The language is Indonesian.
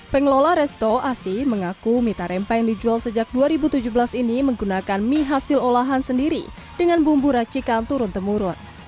pengelola resto asi mengaku mita rempah yang dijual sejak dua ribu tujuh belas ini menggunakan mie hasil olahan sendiri dengan bumbu racikan turun temurun